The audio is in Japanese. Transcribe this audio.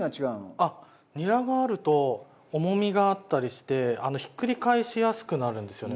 あっニラがあると重みがあったりしてひっくり返しやすくなるんですよね